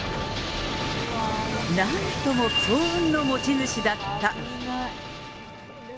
なんとも強運の持ち主だった。